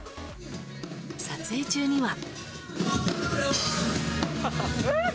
撮影中には。